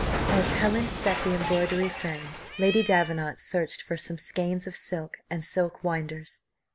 And as Helen set the embroidery frame, Lady Davenant searched for some skeins of silk and silk winders.